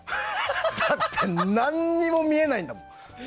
だって何も見えないんだもん。